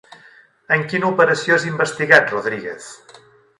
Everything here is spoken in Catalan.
En quina operació és investigat Rodríguez?